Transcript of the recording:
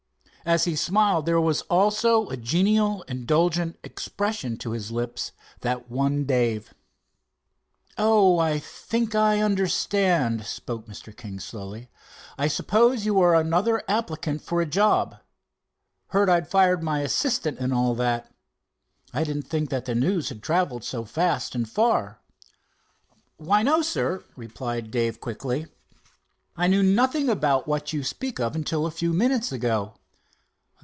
As he smiled, there was also a genial, indulgent expression to his lips that won Dave. "Oh, I think I understand," spoke Mr. King slowly. "I suppose you are another applicant for a job. Heard I'd fired my assistant and all that. I didn't think that news had traveled so fast and far." "Why, no, sir," said Dave quickly. "I knew nothing about what you speak of until a few minutes ago."